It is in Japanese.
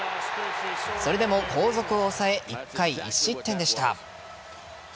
それでも後続を抑え１回１失点でした。